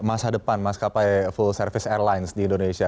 masa depan mas kapai full service airlines di indonesia